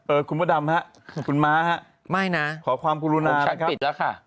เออคุณพระดำฮะคุณม้าฮะไม่นะขอความกุรุณานะครับของฉันปิดแล้วค่ะ